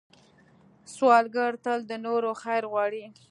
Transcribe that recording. سوالګر تل د نورو خیر غواړي